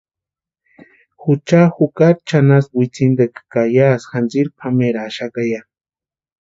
Jucha jukari chʼanaspka witsintikwa ka yásï jantsiri pʼameraaxaka ya.